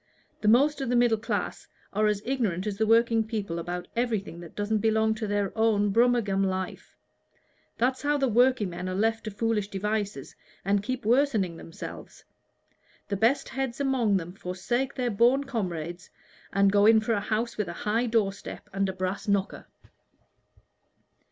The most of the middle class are as ignorant as the working people about everything that doesn't belong to their own Brummagem life. That's how the workingmen are left to foolish devices and keep worsening themselves: the best heads among them forsake their boon comrades, and go in for a house with a high door step and a brass knocker."